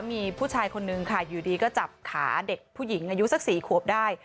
มีผู้ชายคนนึงค่ะอยู่ดีก็จับขาเด็กผู้หญิงอายุสัก๔ขวบได้